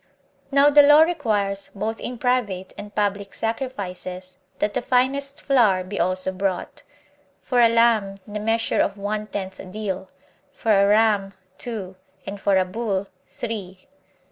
4. Now the law requires, both in private and public sacrifices, that the finest flour be also brought; for a lamb the measure of one tenth deal, for a ram two, and for a bull three.